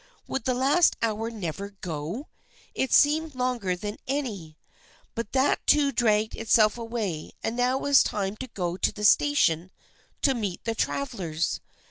Would the last hour never go ? It seemed longer than any. But that too dragged itself away, and now it was time to go to the station to meet the travelers.